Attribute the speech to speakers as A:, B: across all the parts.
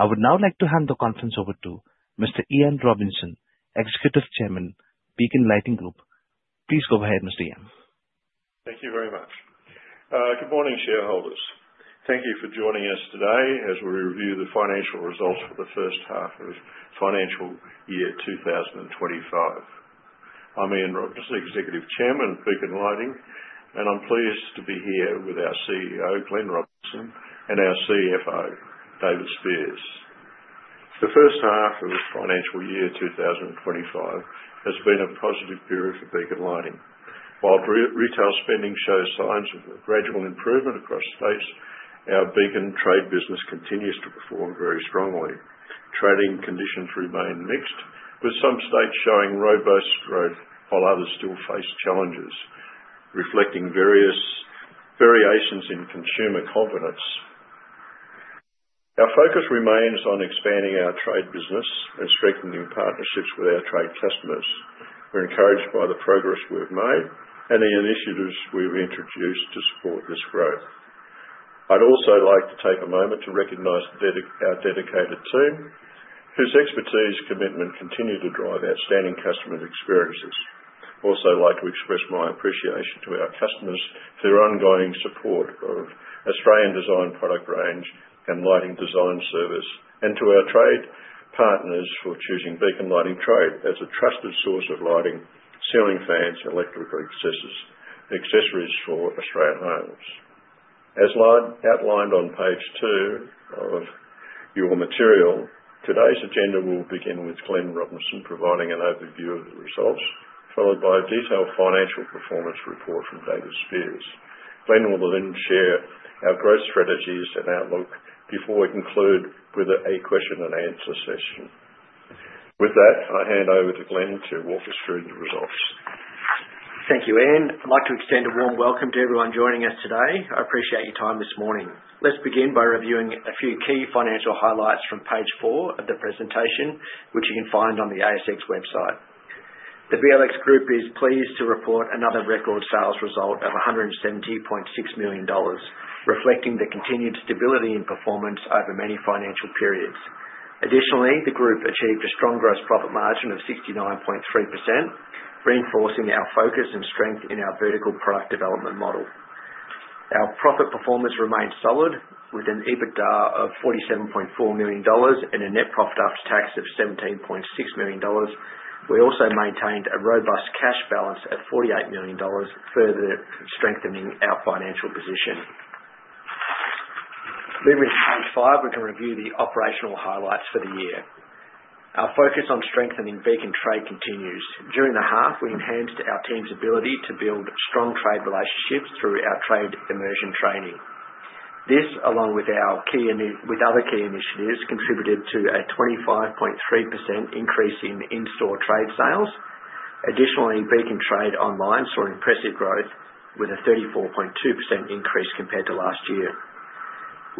A: I would now like to hand the conference over to Mr. Ian Robinson, Executive Chairman, Beacon Lighting Group. Please go ahead, Mr. Ian.
B: Thank you very much. Good morning, shareholders. Thank you for joining us today as we review the financial results for the first half of financial year 2025. I'm Ian Robinson, Executive Chairman of Beacon Lighting, and I'm pleased to be here with our CEO, Glen Robinson, and our CFO, David Speirs. The first half of financial year 2025 has been a positive period for Beacon Lighting. While retail spending shows signs of gradual improvement across states, our Beacon Trade business continues to perform very strongly. Trading conditions remain mixed, with some states showing robust growth while others still face challenges, reflecting various variations in consumer confidence. Our focus remains on expanding our trade business and strengthening partnerships with our trade customers. We're encouraged by the progress we've made and the initiatives we've introduced to support this growth. I'd also like to take a moment to recognize our dedicated team, whose expertise and commitment continue to drive outstanding customer experiences. I'd also like to express my appreciation to our customers for their ongoing support of Australian-designed product range and lighting design service, and to our trade partners for choosing Beacon Lighting Trade as a trusted source of lighting, ceiling fans, electrical accessories for Australian homes. As outlined on page two of your material, today's agenda will begin with Glen Robinson providing an overview of the results, followed by a detailed financial performance report from David Speirs. Glen will then share our growth strategies and outlook before we conclude with a question-and-answer session. With that, I hand over to Glen to walk us through the results.
C: Thank you, Ian. I'd like to extend a warm welcome to everyone joining us today. I appreciate your time this morning. Let's begin by reviewing a few key financial highlights from page four of the presentation, which you can find on the ASX website. The BLX Group is pleased to report another record sales result of 170.6 million dollars, reflecting the continued stability in performance over many financial periods. Additionally, the group achieved a strong gross profit margin of 69.3%, reinforcing our focus and strength in our vertical product development model. Our profit performance remained solid, with an EBITDA of 47.4 million dollars and a net profit after tax of 17.6 million dollars. We also maintained a robust cash balance at 48 million dollars, further strengthening our financial position. Moving to page five, we can review the operational highlights for the year. Our focus on strengthening Beacon Trade continues. During the half, we enhanced our team's ability to build strong trade relationships through our trade immersion training. This, along with other key initiatives, contributed to a 25.3% increase in in-store trade sales. Additionally, Beacon Trade Online saw impressive growth, with a 34.2% increase compared to last year.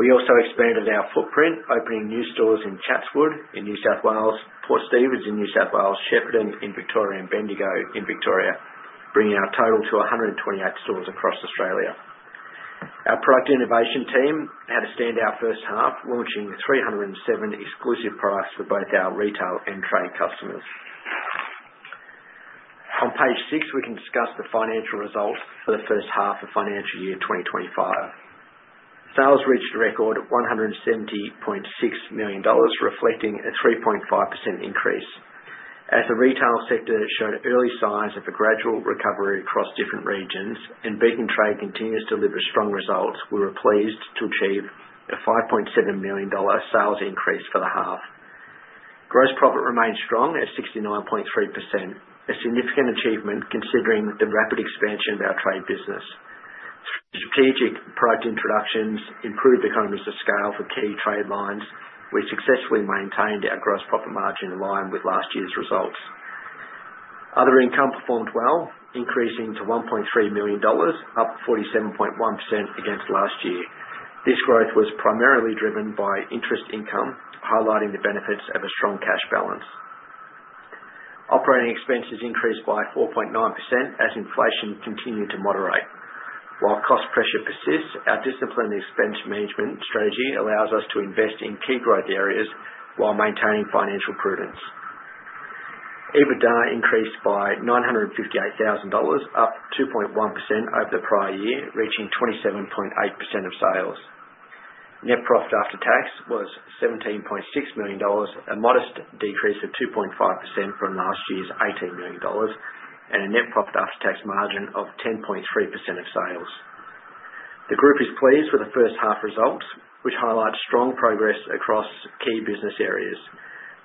C: We also expanded our footprint, opening new stores in Chatswood in New South Wales, Port Stephens in New South Wales, Shepparton in Victoria, and Bendigo in Victoria, bringing our total to 128 stores across Australia. Our product innovation team had a standout first half, launching 307 exclusive products for both our retail and trade customers. On page six, we can discuss the financial results for the first half of financial year 2025. Sales reached a record 170.6 million dollars, reflecting a 3.5% increase. As the retail sector showed early signs of a gradual recovery across different regions, and Beacon Trade continues to deliver strong results, we were pleased to achieve 5.7 million dollar sales increase for the half. Gross profit remained strong at 69.3%, a significant achievement considering the rapid expansion of our trade business. Strategic product introductions improved economies of scale for key trade lines. We successfully maintained our gross profit margin in line with last year's results. Other income performed well, increasing to 1.3 million dollars, up 47.1% against last year. This growth was primarily driven by interest income, highlighting the benefits of a strong cash balance. Operating expenses increased by 4.9% as inflation continued to moderate. While cost pressure persists, our disciplined expense management strategy allows us to invest in key growth areas while maintaining financial prudence. EBITDA increased by 958,000 dollars, up 2.1% over the prior year, reaching 27.8% of sales. Net profit after tax was 17.6 million dollars, a modest decrease of 2.5% from last year's 18 million dollars, and a net profit after tax margin of 10.3% of sales. The group is pleased with the first half results, which highlight strong progress across key business areas.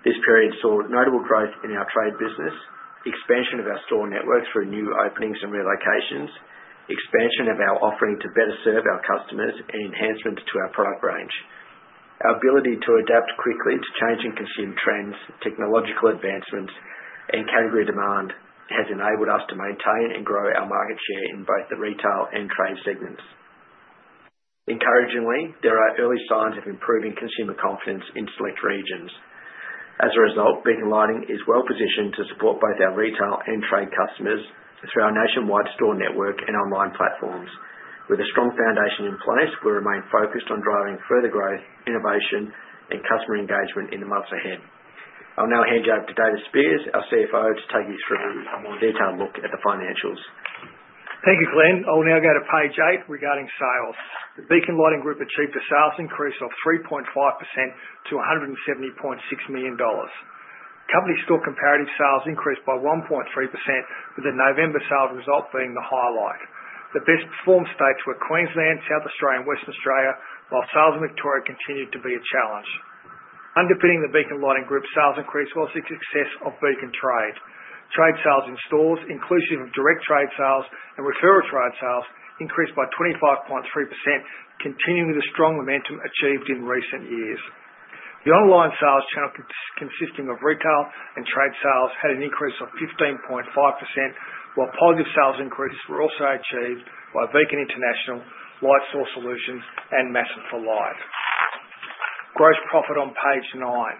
C: This period saw notable growth in our trade business, expansion of our store network through new openings and relocations, expansion of our offering to better serve our customers, and enhancement to our product range. Our ability to adapt quickly to changing consumer trends, technological advancements, and category demand has enabled us to maintain and grow our market share in both the retail and trade segments. Encouragingly, there are early signs of improving consumer confidence in select regions. As a result, Beacon Lighting is well positioned to support both our retail and trade customers through our nationwide store network and online platforms. With a strong foundation in place, we remain focused on driving further growth, innovation, and customer engagement in the months ahead. I'll now hand you over to David Speirs, our CFO, to take you through a more detailed look at the financials.
D: Thank you, Glen. I'll now go to page eight regarding sales. The Beacon Lighting Group achieved a sales increase of 3.5% to 170.6 million dollars. Company store comparative sales increased by 1.3%, with the November sales result being the highlight. The best-performed states were Queensland, South Australia, and Western Australia, while sales in Victoria continued to be a challenge. Underpinning the Beacon Lighting Group sales increase was the success of Beacon Trade. Trade sales in stores, inclusive of direct trade sales and referral trade sales, increased by 25.3%, continuing the strong momentum achieved in recent years. The online sales channel consisting of retail and trade sales had an increase of 15.5%, while positive sales increases were also achieved by Beacon International, LightSource Solutions, and Masson For Light. Gross profit on page nine.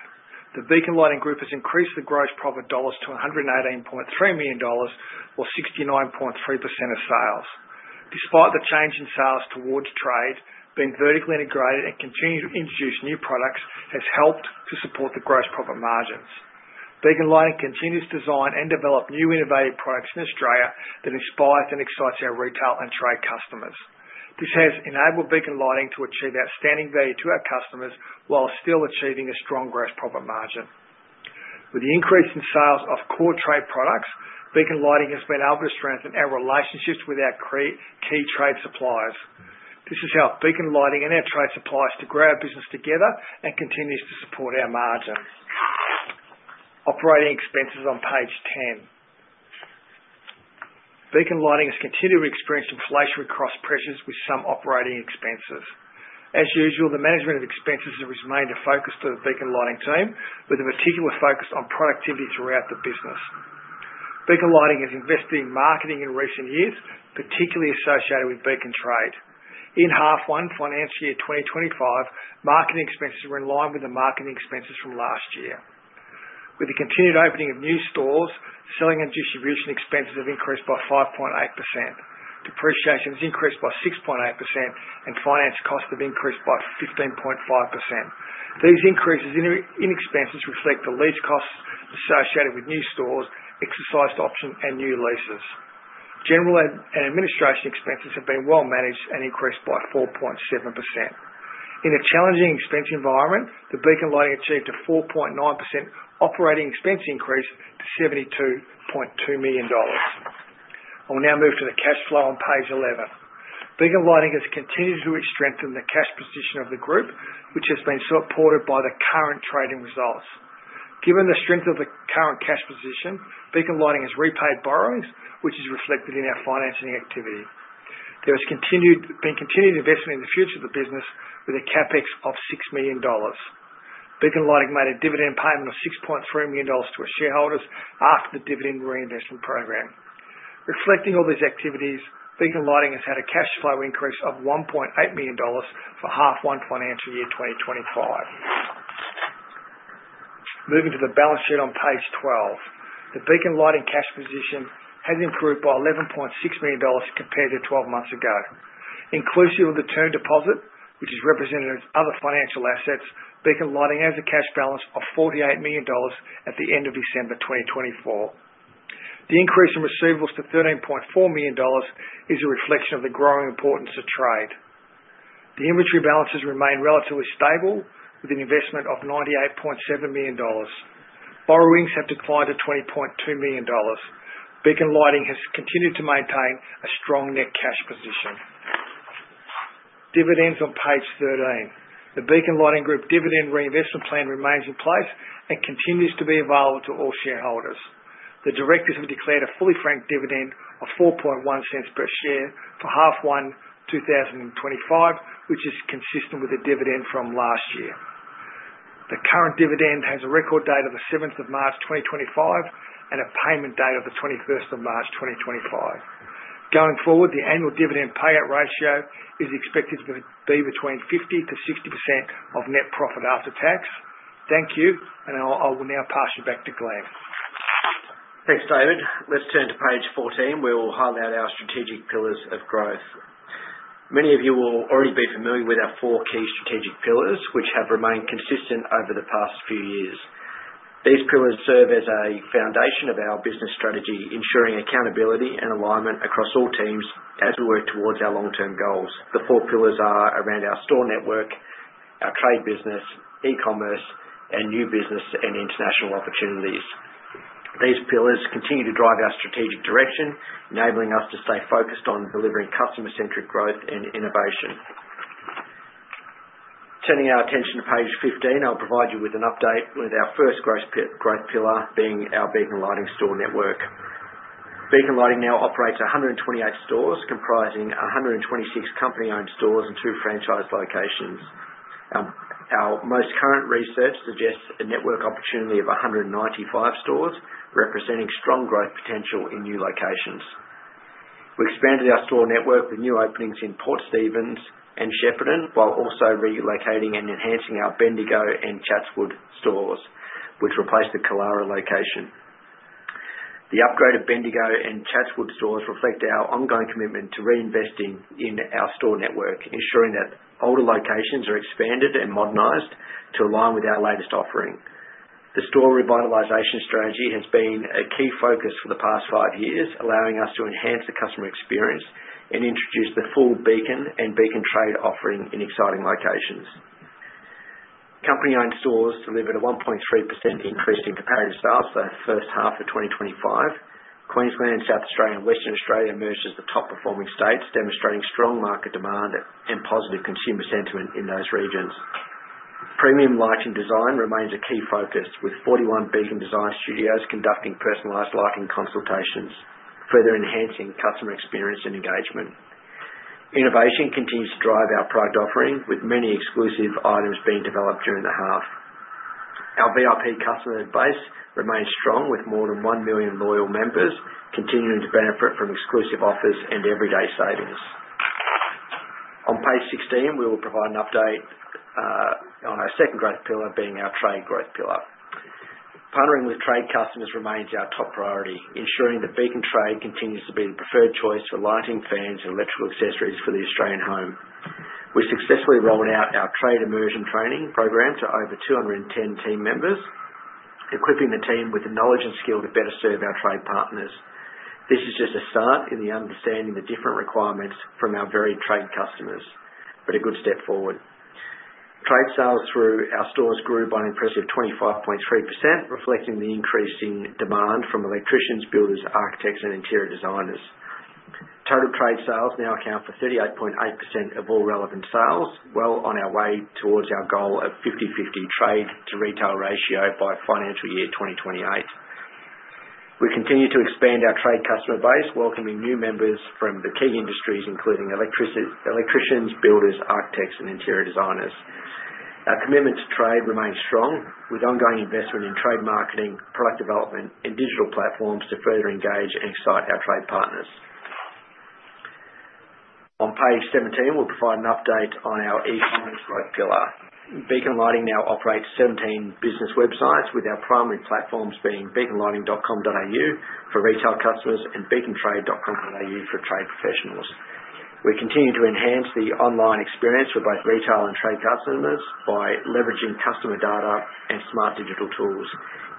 D: The Beacon Lighting Group has increased the gross profit dollars to 118.3 million dollars, or 69.3% of sales. Despite the change in sales towards trade, being vertically integrated and continuing to introduce new products has helped to support the gross profit margins. Beacon Lighting continues to design and develop new innovative products in Australia that inspire and excite our retail and trade customers. This has enabled Beacon Lighting to achieve outstanding value to our customers while still achieving a strong gross profit margin. With the increase in sales of core trade products, Beacon Lighting has been able to strengthen our relationships with our key trade suppliers. This has helped Beacon Lighting and our trade suppliers to grow our business together and continues to support our margins. Operating expenses on page 10. Beacon Lighting has continued to experience inflationary cost pressures with some operating expenses. As usual, the management of expenses has remained a focus for the Beacon Lighting team, with a particular focus on productivity throughout the business. Beacon Lighting has invested in marketing in recent years, particularly associated with Beacon Trade. In half one, financial year 2025, marketing expenses were in line with the marketing expenses from last year. With the continued opening of new stores, selling and distribution expenses have increased by 5.8%. Depreciation has increased by 6.8%, and finance costs have increased by 15.5%. These increases in expenses reflect the lease costs associated with new stores, exercised options, and new leases. General and administration expenses have been well managed and increased by 4.7%. In a challenging expense environment, the Beacon Lighting achieved a 4.9% operating expense increase to 72.2 million dollars. I will now move to the cash flow on page 11. Beacon Lighting has continued to strengthen the cash position of the group, which has been supported by the current trading results. Given the strength of the current cash position, Beacon Lighting has repaid borrowings, which is reflected in our financing activity. There has been continued investment in the future of the business with a Capex of 6 million dollars. Beacon Lighting made a dividend payment of 6.3 million dollars to its shareholders after the dividend reinvestment program. Reflecting all these activities, Beacon Lighting has had a cash flow increase of 1.8 million dollars for half one financial year 2025. Moving to the balance sheet on page 12. The Beacon Lighting cash position has improved by 11.6 million dollars compared to 12 months ago. Inclusive of the term deposit, which is represented as other financial assets, Beacon Lighting has a cash balance of 48 million dollars at the end of December 2024. The increase in receivables to 13.4 million dollars is a reflection of the growing importance of trade. The inventory balances remain relatively stable with an investment of 98.7 million dollars. Borrowings have declined to 20.2 million dollars. Beacon Lighting has continued to maintain a strong net cash position. Dividends on page 13. The Beacon Lighting Group dividend reinvestment plan remains in place and continues to be available to all shareholders. The directors have declared a fully franked dividend of 0.041 per share for half one 2025, which is consistent with the dividend from last year. The current dividend has a record date of the 7th of March 2025 and a payment date of the 21st of March 2025. Going forward, the annual dividend payout ratio is expected to be between 50%-60% of net profit after tax. Thank you, and I will now pass you back to Glen.
C: Thanks, David. Let's turn to page 14. We will highlight our strategic pillars of growth. Many of you will already be familiar with our four key strategic pillars, which have remained consistent over the past few years. These pillars serve as a foundation of our business strategy, ensuring accountability and alignment across all teams as we work towards our long-term goals. The four pillars are around our store network, our trade business, e-commerce, and new business and international opportunities. These pillars continue to drive our strategic direction, enabling us to stay focused on delivering customer-centric growth and innovation. Turning our attention to page 15, I'll provide you with an update with our first growth pillar being our Beacon Lighting store network. Beacon Lighting now operates 128 stores, comprising 126 company-owned stores and two franchise locations. Our most current research suggests a network opportunity of 195 stores, representing strong growth potential in new locations. We expanded our store network with new openings in Port Stephens and Shepparton, while also relocating and enhancing our Bendigo and Chatswood stores, which replaced the Killara location. The upgrade of Bendigo and Chatswood stores reflects our ongoing commitment to reinvesting in our store network, ensuring that older locations are expanded and modernized to align with our latest offering. The store revitalization strategy has been a key focus for the past five years, allowing us to enhance the customer experience and introduce the full Beacon and Beacon Trade offering in exciting locations. Company-owned stores delivered a 1.3% increase in comparative sales for the first half of 2025. Queensland, South Australia, and Western Australia emerged as the top-performing states, demonstrating strong market demand and positive consumer sentiment in those regions. Premium lighting design remains a key focus, with 41 Beacon Design Studios conducting personalized lighting consultations, further enhancing customer experience and engagement. Innovation continues to drive our product offering, with many exclusive items being developed during the half. Our VIP customer base remains strong, with more than 1 million loyal members continuing to benefit from exclusive offers and everyday savings. On page 16, we will provide an update on our second growth pillar, being our trade growth pillar. Partnering with trade customers remains our top priority, ensuring that Beacon Trade continues to be the preferred choice for lighting, fans, and electrical accessories for the Australian home. We successfully rolled out our trade immersion training program to over 210 team members, equipping the team with the knowledge and skill to better serve our trade partners. This is just a start in understanding the different requirements from our very trade customers, but a good step forward. Trade sales through our stores grew by an impressive 25.3%, reflecting the increasing demand from electricians, builders, architects, and interior designers. Total trade sales now account for 38.8% of all relevant sales, well on our way towards our goal of 50/50 trade to retail ratio by financial year 2028. We continue to expand our trade customer base, welcoming new members from the key industries, including electricians, builders, architects, and interior designers. Our commitment to trade remains strong, with ongoing investment in trade marketing, product development, and digital platforms to further engage and excite our trade partners. On page 17, we'll provide an update on our e-commerce growth pillar. Beacon Lighting now operates 17 business websites, with our primary platforms being beaconlighting.com.au for retail customers and beacontrade.com.au for trade professionals. We continue to enhance the online experience for both retail and trade customers by leveraging customer data and smart digital tools,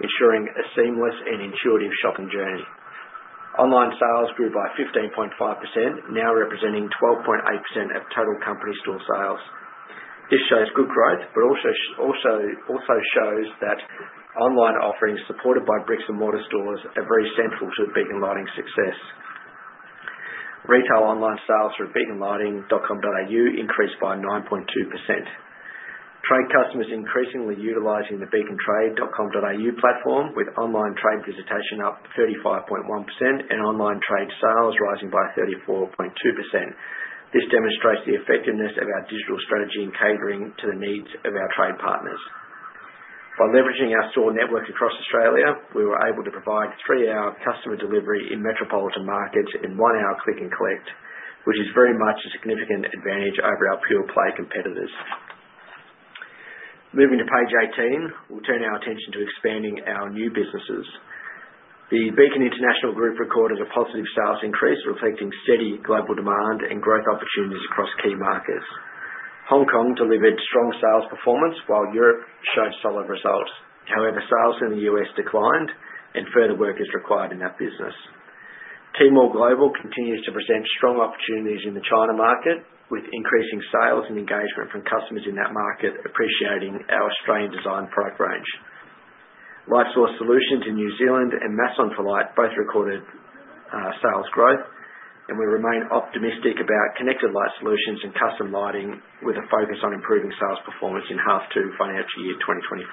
C: ensuring a seamless and intuitive shopping journey. Online sales grew by 15.5%, now representing 12.8% of total company store sales. This shows good growth, but also shows that online offerings supported by bricks and mortar stores are very central to Beacon Lighting's success. Retail online sales through beaconlighting.com.au increased by 9.2%. Trade customers are increasingly utilizing the beacontrade.com.au platform, with online trade visitation up 35.1% and online trade sales rising by 34.2%. This demonstrates the effectiveness of our digital strategy in catering to the needs of our trade partners. By leveraging our store network across Australia, we were able to provide three-hour customer delivery in metropolitan markets and one-hour click and collect, which is very much a significant advantage over our pure-play competitors. Moving to page 18, we'll turn our attention to expanding our new businesses. The Beacon International Group recorded a positive sales increase, reflecting steady global demand and growth opportunities across key markets. Hong Kong delivered strong sales performance, while Europe showed solid results. However, sales in the U.S. declined, and further work is required in that business. Tmall Global continues to present strong opportunities in the China market, with increasing sales and engagement from customers in that market appreciating our Australian design product range. LightSource Solutions in New Zealand and Masson For Light both recorded sales growth, and we remain optimistic about connected light solutions and custom lighting, with a focus on improving sales performance in half two financial year 2025.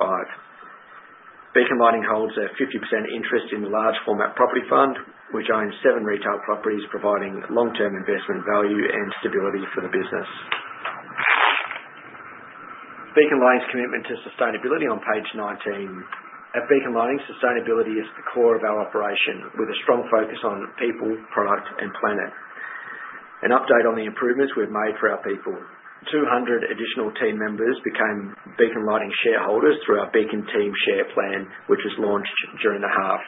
C: Beacon Lighting holds a 50% interest in the large format property fund, which owns seven retail properties, providing long-term investment value and stability for the business. Beacon Lighting's commitment to sustainability on page 19. At Beacon Lighting, sustainability is at the core of our operation, with a strong focus on people, product, and planet. An update on the improvements we've made for our people. 200 additional team members became Beacon Lighting shareholders through our Beacon Team Share Plan, which was launched during the half.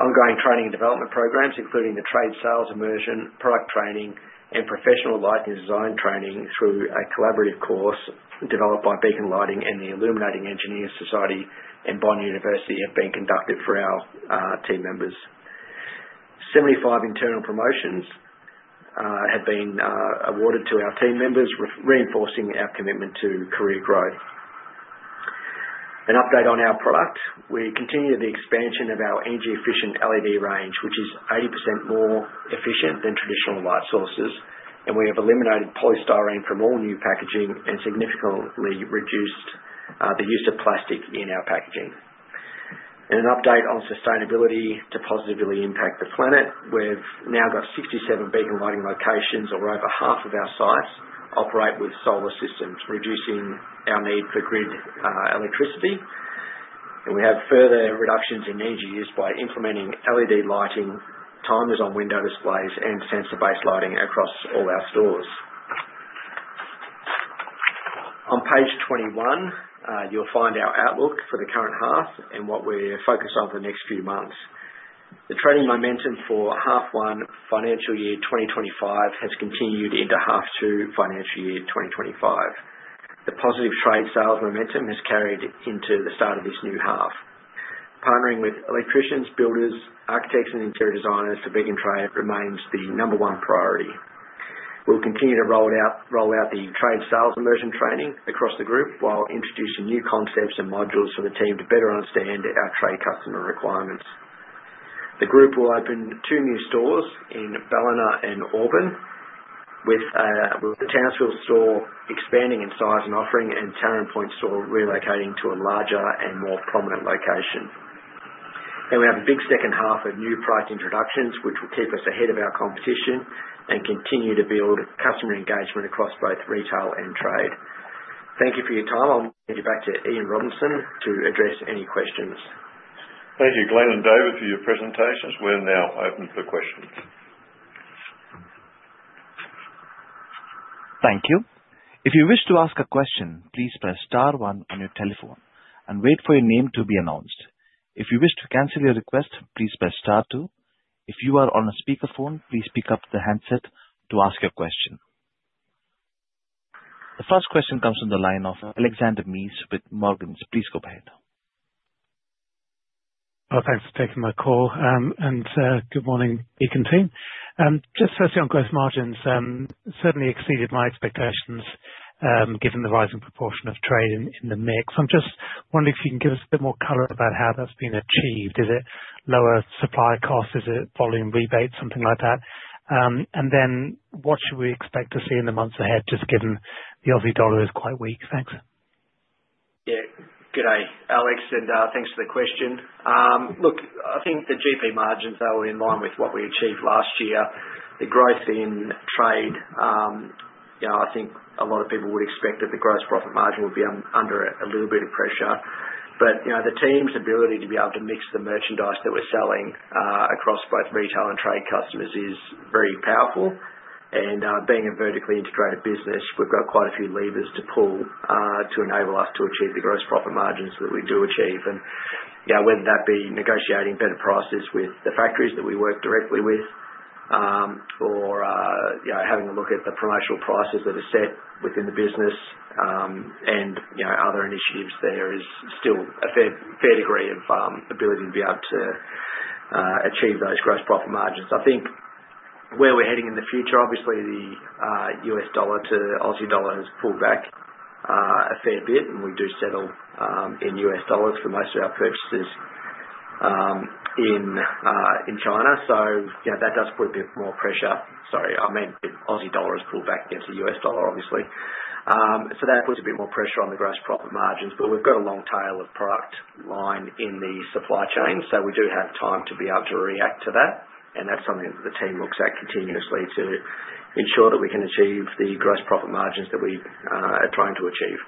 C: Ongoing training and development programs, including the trade sales immersion, product training, and professional lighting design training through a collaborative course developed by Beacon Lighting and the Illuminating Engineering Society and Bond University have been conducted for our team members. 75 internal promotions have been awarded to our team members, reinforcing our commitment to career growth. An update on our product. We continue the expansion of our energy-efficient LED range, which is 80% more efficient than traditional light sources, and we have eliminated polystyrene from all new packaging and significantly reduced the use of plastic in our packaging, and an update on sustainability to positively impact the planet. We've now got 67 Beacon Lighting locations, or over half of our sites, operate with solar systems, reducing our need for grid electricity, and we have further reductions in energy use by implementing LED lighting, timers on window displays, and sensor-based lighting across all our stores. On page 21, you'll find our outlook for the current half and what we're focused on for the next few months. The trading momentum for half one financial year 2025 has continued into half two financial year 2025. The positive trade sales momentum has carried into the start of this new half. Partnering with electricians, builders, architects, and interior designers for Beacon Trade remains the number one priority. We'll continue to roll out the trade sales immersion training across the group while introducing new concepts and modules for the team to better understand our trade customer requirements. The group will open two new stores in Ballina and Auburn, with the Townsville store expanding in size and offering, and Taren Point store relocating to a larger and more prominent location. We have a big second half of new product introductions, which will keep us ahead of our competition and continue to build customer engagement across both retail and trade. Thank you for your time. I'll hand you back to Ian Robinson to address any questions.
B: Thank you, Glen and David, for your presentations. We're now open for questions.
A: Thank you. If you wish to ask a question, please press star one on your telephone and wait for your name to be announced. If you wish to cancel your request, please press star two. If you are on a speakerphone, please pick up the handset to ask your question. The first question comes from the line of Alexander Mees with Morgans. Please go ahead.
E: Thanks for taking my call. Good morning, Beacon team. Just firstly, on gross margins, certainly exceeded my expectations given the rising proportion of trade in the mix. I'm just wondering if you can give us a bit more color about how that's been achieved. Is it lower supply costs? Is it volume rebates? Something like that. And then what should we expect to see in the months ahead, just given the Aussie dollar is quite weak? Thanks.
C: Yeah. Good day, Alex, and thanks for the question. Look, I think the GP margins are in line with what we achieved last year. The growth in trade, I think a lot of people would expect that the gross profit margin would be under a little bit of pressure. But the team's ability to be able to mix the merchandise that we're selling across both retail and trade customers is very powerful. And being a vertically integrated business, we've got quite a few levers to pull to enable us to achieve the gross profit margins that we do achieve. And whether that be negotiating better prices with the factories that we work directly with or having a look at the promotional prices that are set within the business and other initiatives, there is still a fair degree of ability to be able to achieve those gross profit margins. I think where we're heading in the future, obviously, the US dollar to Aussie dollar has pulled back a fair bit, and we do settle in US dollars for most of our purchases in China. So that does put a bit more pressure. Sorry, I meant Aussie dollar has pulled back against the US dollar, obviously. So that puts a bit more pressure on the gross profit margins. But we've got a long tail of product line in the supply chain, so we do have time to be able to react to that. And that's something that the team looks at continuously to ensure that we can achieve the gross profit margins that we are trying to achieve.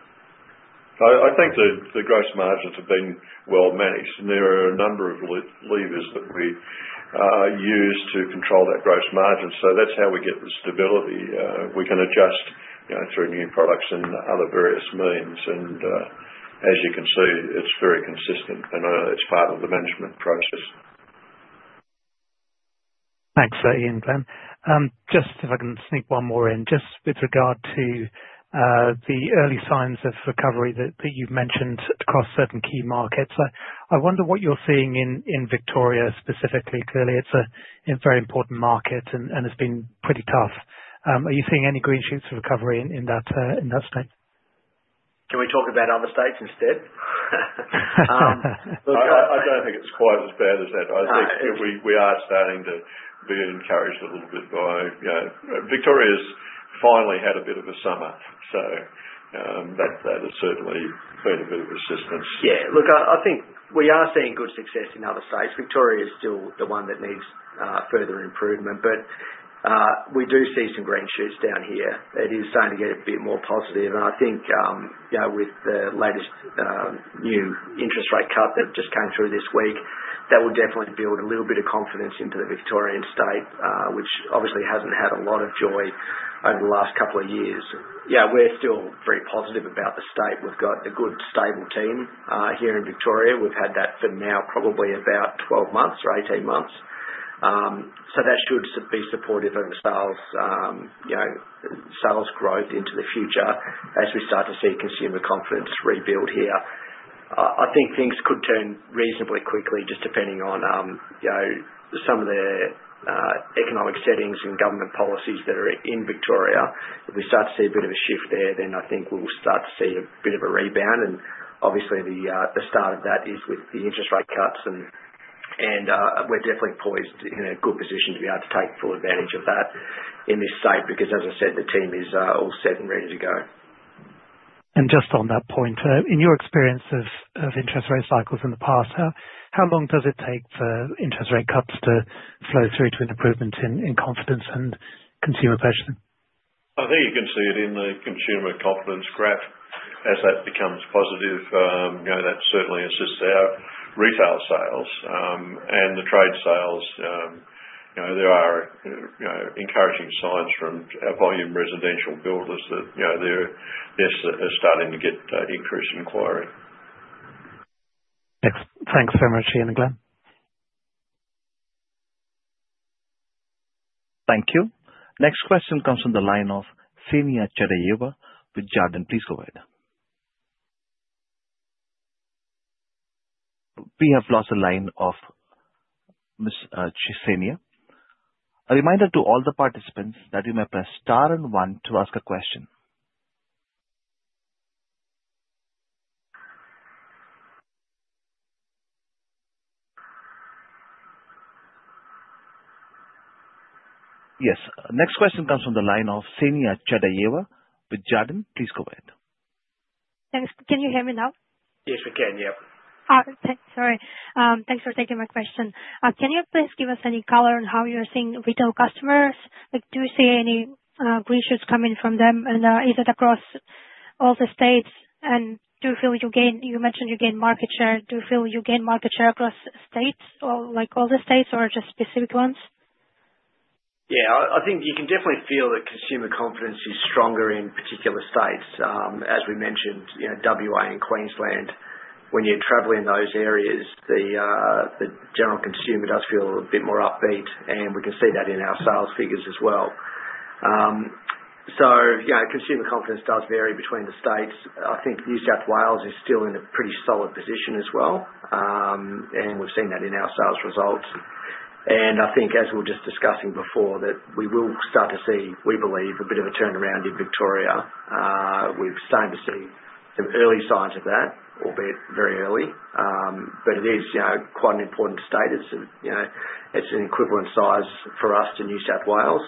D: I think the gross margins have been well managed. There are a number of levers that we use to control that gross margin. So that's how we get the stability. We can adjust through new products and other various means. And as you can see, it's very consistent, and it's part of the management process.
E: Thanks, Ian, Glen. Just if I can sneak one more in, just with regard to the early signs of recovery that you've mentioned across certain key markets. I wonder what you're seeing in Victoria specifically. Clearly, it's a very important market and has been pretty tough. Are you seeing any green shoots of recovery in that state?
C: Can we talk about other states instead?
D: I don't think it's quite as bad as that. I think we are starting to be encouraged a little bit by Victoria's finally had a bit of a summer, so that has certainly been a bit of resistance.
C: Yeah. Look, I think we are seeing good success in other states. Victoria is still the one that needs further improvement, but we do see some green shoots down here. It is starting to get a bit more positive. And I think with the latest new interest rate cut that just came through this week, that will definitely build a little bit of confidence into the Victorian state, which obviously hasn't had a lot of joy over the last couple of years. Yeah, we're still very positive about the state. We've got a good, stable team here in Victoria. We've had that for now probably about 12 months or 18 months. So that should be supportive of sales growth into the future as we start to see consumer confidence rebuild here. I think things could turn reasonably quickly, just depending on some of the economic settings and government policies that are in Victoria. If we start to see a bit of a shift there, then I think we'll start to see a bit of a rebound, and obviously, the start of that is with the interest rate cuts, and we're definitely poised in a good position to be able to take full advantage of that in this state because, as I said, the team is all set and ready to go.
E: And just on that point, in your experience of interest rate cycles in the past, how long does it take for interest rate cuts to flow through to an improvement in confidence and consumer purchasing?
D: I think you can see it in the consumer confidence graph. As that becomes positive, that certainly assists our retail sales and the trade sales. There are encouraging signs from our volume residential builders that they're starting to get increased inquiry.
E: Thanks very much, Ian, Glen.
A: Thank you. Next question comes from the line of Xenia Jatiaeva with Jarden. Please go ahead. We have lost a line of Ms. Jatiaeva. A reminder to all the participants that you may press star and one to ask a question. Yes. Next question comes from the line of Xenia Jatiaeva with Jarden. Please go ahead.
F: Can you hear me now?
C: Yes, we can. Yeah.
F: Sorry. Thanks for taking my question. Can you please give us any color on how you're seeing retail customers? Do you see any green shoots coming from them? And is it across all the states? And do you feel you gain, you mentioned you gain market share. Do you feel you gain market share across states or all the states or just specific ones?
C: Yeah. I think you can definitely feel that consumer confidence is stronger in particular states. As we mentioned, WA and Queensland, when you're traveling in those areas, the general consumer does feel a bit more upbeat. And we can see that in our sales figures as well. So consumer confidence does vary between the states. I think New South Wales is still in a pretty solid position as well. And we've seen that in our sales results. And I think, as we were just discussing before, that we will start to see, we believe, a bit of a turnaround in Victoria. We've started to see some early signs of that, albeit very early. But it is quite an important state. It's an equivalent size for us to New South Wales.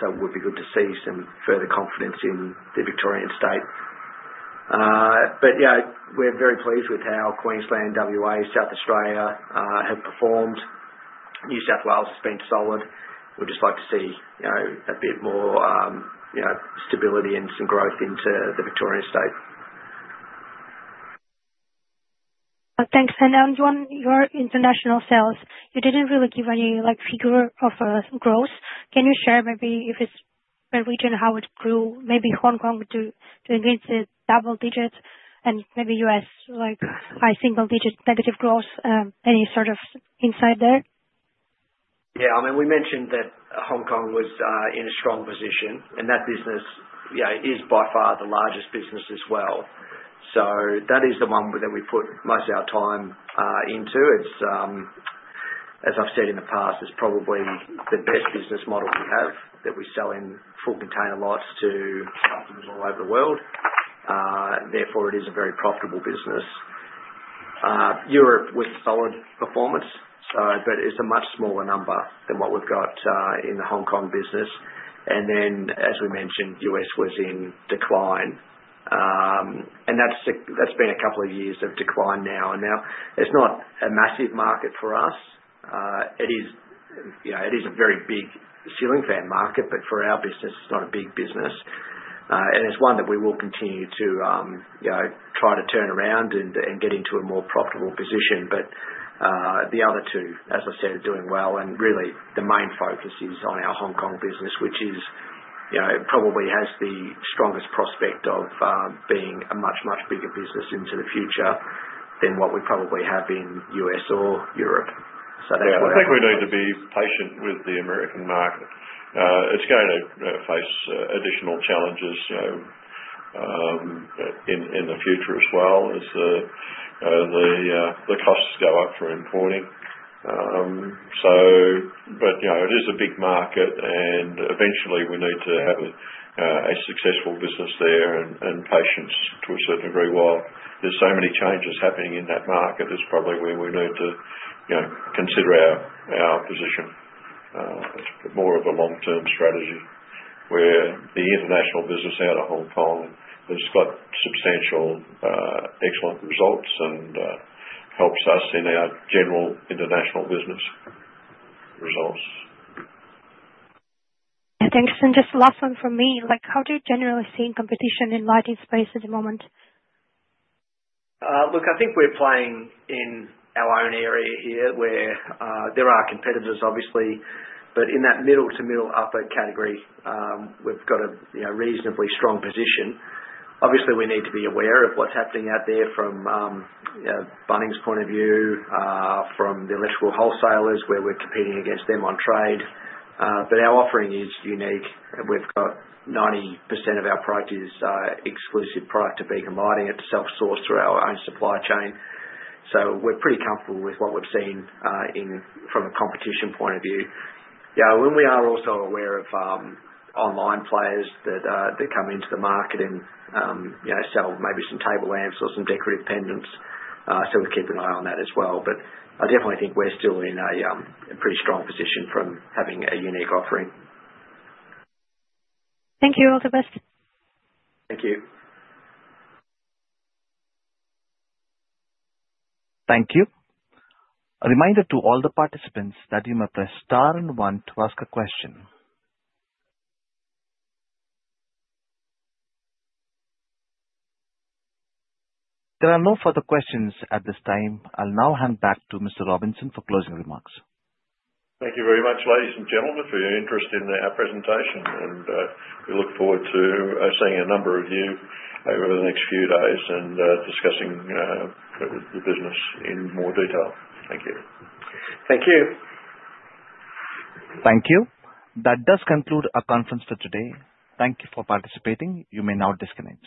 C: So it would be good to see some further confidence in the Victorian state. But yeah, we're very pleased with how Queensland, WA, South Australia have performed. New South Wales has been solid. We'd just like to see a bit more stability and some growth into the Victorian state.
F: Thanks. And on your international sales, you didn't really give any figure of growth. Can you share maybe if it's by region how it grew? Maybe Hong Kong to the double digits and maybe U.S. high single digit negative growth. Any sort of insight there?
C: Yeah. I mean, we mentioned that Hong Kong was in a strong position. And that business is by far the largest business as well. So that is the one that we put most of our time into. As I've said in the past, it's probably the best business model we have that we sell in full container lots to customers all over the world. Therefore, it is a very profitable business. Europe was a solid performance, but it's a much smaller number than what we've got in the Hong Kong business. And then, as we mentioned, U.S. was in decline. And that's been a couple of years of decline now. And now it's not a massive market for us. It is a very big ceiling fan market, but for our business, it's not a big business. And it's one that we will continue to try to turn around and get into a more profitable position. But the other two, as I said, are doing well. And really, the main focus is on our Hong Kong business, which probably has the strongest prospect of being a much, much bigger business into the future than what we probably have in U.S. or Europe. So that's where we're at.
D: Yeah. I think we need to be patient with the American market. It's going to face additional challenges in the future as well as the costs go up for importing. But it is a big market. Eventually, we need to have a successful business there and patience to a certain degree. While there's so many changes happening in that market, it's probably where we need to consider our position. It's more of a long-term strategy where the international business out of Hong Kong has got substantial excellent results and helps us in our general international business results.
F: Thanks. Just the last one from me. How do you generally see competition in lighting space at the moment?
C: Look, I think we're playing in our own area here where there are competitors, obviously, but in that middle to middle upper category, we've got a reasonably strong position. Obviously, we need to be aware of what's happening out there from Bunnings' point of view, from the electrical wholesalers where we're competing against them on trade, but our offering is unique. We've got 90% of our product is exclusive product to Beacon Lighting. It's self-sourced through our own supply chain. So we're pretty comfortable with what we've seen from a competition point of view. Yeah, and we are also aware of online players that come into the market and sell maybe some table lamps or some decorative pendants, so we're keeping an eye on that as well, but I definitely think we're still in a pretty strong position from having a unique offering.
F: Thank you all the best.
C: Thank you.
A: Thank you. A reminder to all the participants that you may press star and one to ask a question. There are no further questions at this time. I'll now hand back to Mr. Robinson for closing remarks.
B: Thank you very much, ladies and gentlemen, for your interest in our presentation. And we look forward to seeing a number of you over the next few days and discussing the business in more detail. Thank you.
C: Thank you.
A: Thank you. That does conclude our conference for today. Thank you for participating. You may now disconnect.